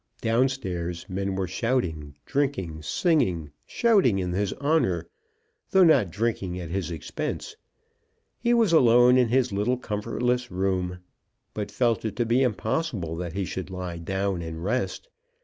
Down stairs men were shouting, singing, and drinking, shouting in his honour, though not drinking at his expense. He was alone in his little comfortless room, but felt it to be impossible that he should lie down and rest.